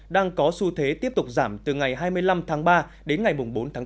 đang có xu thế tiếp tục giảm từ ngày hai mươi năm tháng ba đến ngày bốn tháng bốn